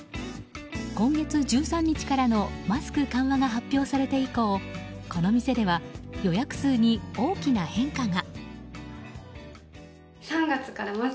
今月１３日からのマスク緩和が発表されて以降この店では予約数に大きな変化が。